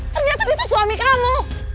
ternyata itu suami kamu